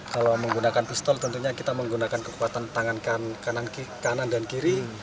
kalau menggunakan pistol tentunya kita menggunakan kekuatan tangan kanan kanan dan kiri